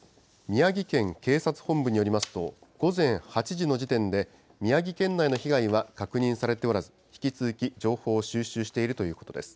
宮城県警察本部によりますと、午前８時の時点で、宮城県内の被害は確認されておらず、引き続き情報を収集しているということです。